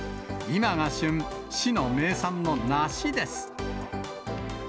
今が旬、市の名産の梨です。